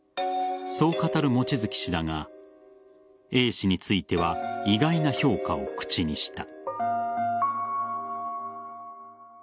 そう語る望月氏だがＡ氏については意外な評価を口にした。